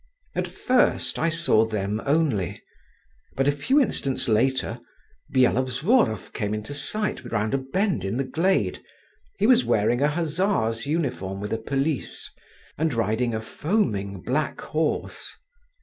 At first I saw them only; but a few instants later, Byelovzorov came into sight round a bend in the glade, he was wearing a hussar's uniform with a pelisse, and riding a foaming black horse.